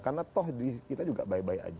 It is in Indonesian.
karena toh kita juga baik baik aja